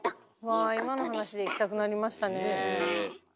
わあ今の話で行きたくなりましたね。